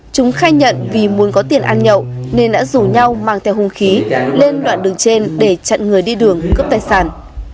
chúng khai nhận vì muốn có tiền ăn nhậu nên đã rủ nhau mang theo hung khí lên đoạn đường trên để chặn người đi đường cướp tài sản